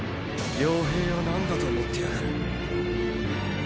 傭兵を何だと思ってやがる。